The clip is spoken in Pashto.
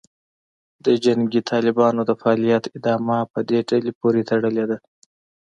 د جنګي طالبانو د فعالیت ادامه په دې ډلې پورې تړلې ده